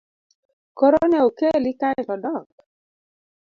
Koro ne okeli kaeto odok?